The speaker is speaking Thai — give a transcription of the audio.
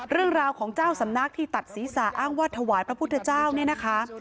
เรื่องราวของเจ้าสำนักที่ตัดศีรษะอ้างว่าถวายพระพุทธเจ้าเนี่ยนะคะ